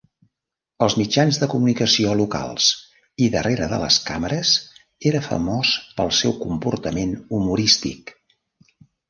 Als mitjans de comunicació locals i darrere de les càmeres era famós pel seu comportament humorístic.